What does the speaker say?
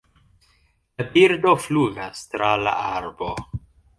La birdo flugas tra la arbo